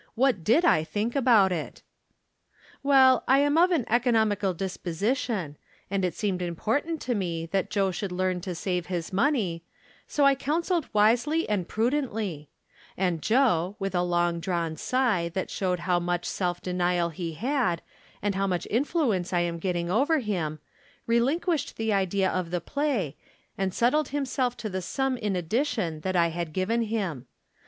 What did I think about it ? Well, I am of an economical disposition, and it seemed important to me that Joe should learn to save his money, so I counseled wisely and pru dently; and Joe, with a long drawn sigh that showed how much seK denial he had, and how much influence I am getting over him, relin quished the idea of the play, and settled himself to the sum in addition that I had given him.